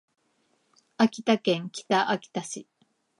秋田県北秋田市